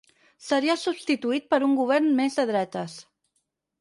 Seria substituït per un Govern més de dretes